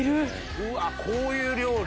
うわこういう料理。